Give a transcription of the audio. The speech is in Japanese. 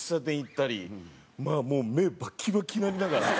まあもう目バッキバキになりながら。